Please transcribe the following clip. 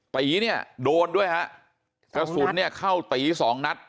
ตีเนี่ยโดนด้วยฮะกระสุนเนี่ยเข้าตีสองนัด